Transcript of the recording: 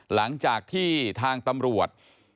หลังจากที่ทางตำรวจ